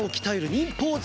忍ポーズ！